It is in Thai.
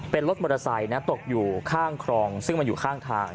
เป็นรถมอเตอร์ไซค์นะตกอยู่ข้างคลองซึ่งมันอยู่ข้างทาง